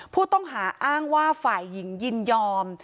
ผู้ต้องหาอ้างว่าฝ่ายหญิงยินยอม